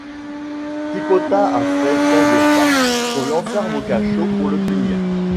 Tipota a fait tant de farces qu'on l'enferme au cachot pour le punir.